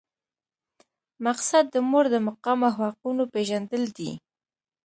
مقصد د مور د مقام او حقونو پېژندل دي.